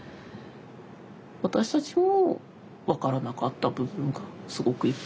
私たちもわからなかった部分がすごくいっぱいあるので。